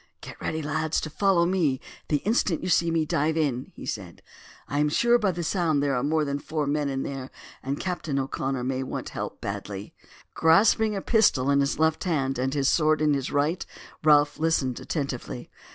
"Get ready, lads, to follow me the instant you see me dive in," he said. "I am sure by the sound there are more than four men in there, and Captain O'Connor may want help badly." Grasping a pistol in his left hand, and his sword in his right, Ralph listened attentively.